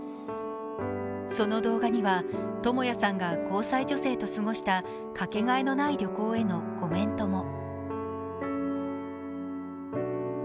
その動画には、智也さんが交際女性と過ごしたかけがえのない旅行へのコメントも。